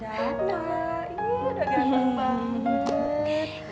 ganteng iya udah ganteng banget